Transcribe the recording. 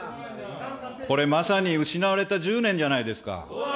これ、まさに失われた１０年じゃないですか。